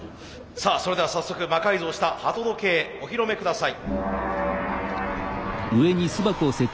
さあそれでは早速魔改造した鳩時計お披露目下さい。